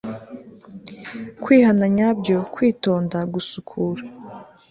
kwihana nyabyo, kwitonda, gusukura